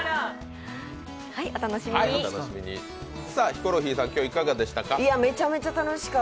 ヒコロヒーさん、今日いかがでしたか？